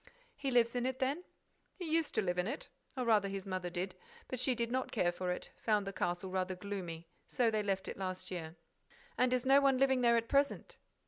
"He lives in it, then?" "He used to live in it, or rather his mother did. But she did not care for it; found the castle rather gloomy. So they left it last year." "And is no one living there at present?"